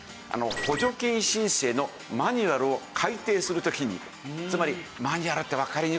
補助金申請のマニュアルを改訂する時につまりマニュアルってわかりにくいもの多いでしょ？